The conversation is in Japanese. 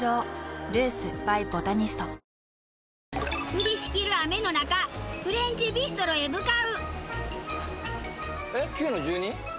降りしきる雨の中フレンチビストロへ向かう！